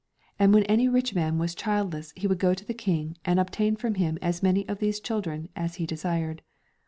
And when any rich man was childless he would go to the King and obtain from him as many of these children as he desired.